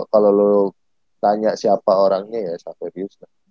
kalau lo tanya siapa orangnya ya saverius kan